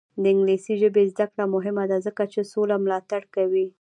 د انګلیسي ژبې زده کړه مهمه ده ځکه چې سوله ملاتړ کوي.